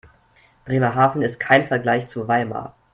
Bremerhaven ist kein Vergleich zu Weimar